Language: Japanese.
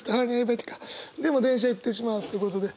でも電車行ってしまうっていうことで。